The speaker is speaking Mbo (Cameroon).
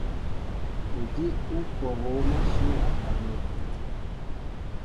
Odíw ó kɛ̌ hǒm ashɛ̌ŋ a kaŋ̀in.